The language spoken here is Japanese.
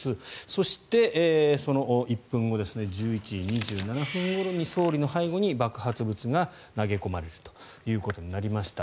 そして、その１分後１１時２７分ごろに総理の背後に爆発物が投げ込まれるということになりました。